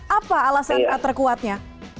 apa alasan terkuatnya